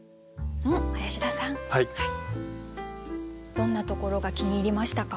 どんなところが気に入りましたか？